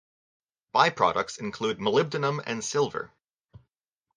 Byproducts include molybdenum and silver.